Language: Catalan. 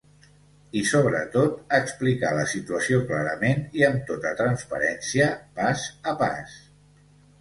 I, sobretot, explicar la situació clarament i amb tota transparència, pas a pas.